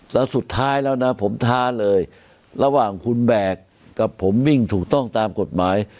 แล้วสุดท้ายแล้วนะผมท้าเลยระหว่างคุณแบกกับผมวิ่งถูกต้องตามกฎหมาย